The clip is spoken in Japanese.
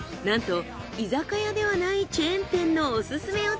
なんと居酒屋ではないチェーン店のオススメ